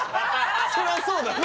そりゃそうだね